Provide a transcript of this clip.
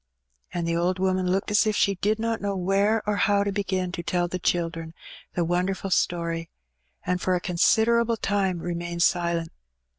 And the old woman looked as if she did not know where or how to begin to tell the children the wonderful story, and for a consider able time remained silent.